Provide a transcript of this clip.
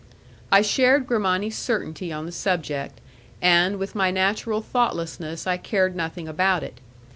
I shared Grimani's certainty on the subject, and with my natural thoughtlessness I cared nothing about it.